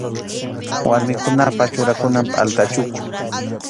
Warmikunapa churakunan pʼalta chuku.